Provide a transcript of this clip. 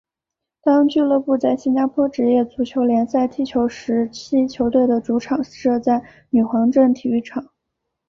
当俱乐部在新加坡职业足球联赛踢球时期球队的主场设在女皇镇体育场。